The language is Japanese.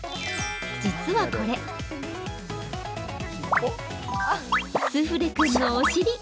実はこれ、すふれ君のお尻。